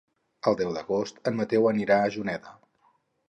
El deu d'agost en Mateu anirà a Juneda.